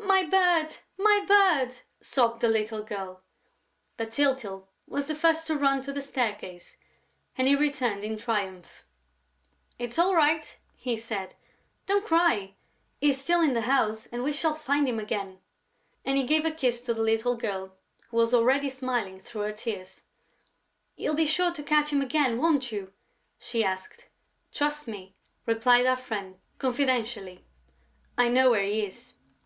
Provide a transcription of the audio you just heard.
"My bird! My bird!" sobbed the little girl. But Tyltyl was the first to run to the staircase and he returned in triumph: "It's all right!" he said. "Don't cry! He is still in the house and we shall find him again." And he gave a kiss to the little girl, who was already smiling through her tears: "You'll be sure to catch him again, won't you?" she asked. "Trust me," replied our friend, confidentially. "I now know where he is."